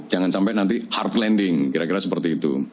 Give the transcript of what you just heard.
jangan sampai nanti hard landing kira kira seperti itu